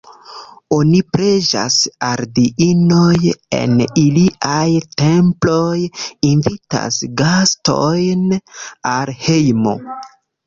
Oni preĝas al diinoj en iliaj temploj, invitas gastojn al hejmo.